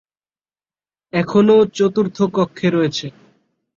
এখনো চতুর্থ কক্ষে রয়েছে।